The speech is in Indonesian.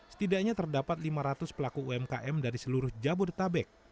setidaknya terdapat lima ratus pelaku umkm dari seluruh jabodetabek